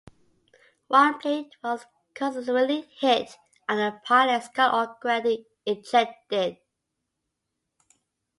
One plane was consequently hit and the pilot, Scott O'Grady ejected.